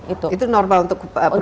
itu normal untuk perempuan misalnya